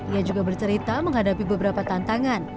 ia juga bercerita menghadapi beberapa tantangan